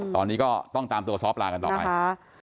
ตอนนี้ก็ต้องตามตัวซ้อปลากันต่อไปค่ะ